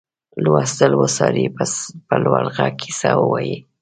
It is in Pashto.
لوستل وڅاري په لوړ غږ کیسه ووايي.